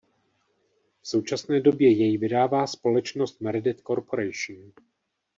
V současné době jej vydává společnost Meredith Corporation.